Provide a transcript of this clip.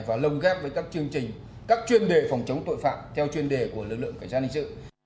và lồng ghép với các chương trình các chuyên đề phòng chống tội phạm theo chuyên đề của lực lượng cảnh sát hình sự